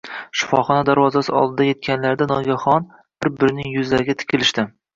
Shifoxona darvozasi oldiga etganlarida nogahon bir-birining yuzlariga tikilishdi